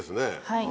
はい。